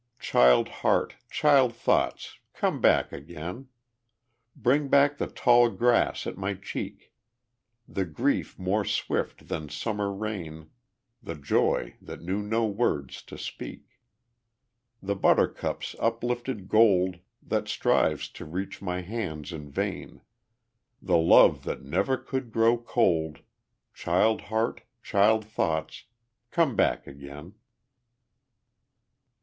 Child heart, child thoughts, come back again! Bring back the tall grass at my cheek, The grief more swift than summer rain, The joy that knew no words to speak. The buttercup's uplifted gold That strives to reach my hands in vain, The love that never could grow cold Child heart, child thoughts, come back again!